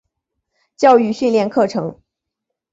教育训练课程